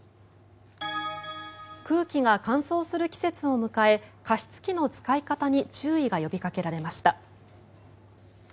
空気が乾燥する季節を迎え加湿器の使い方に注意が呼びかけられました。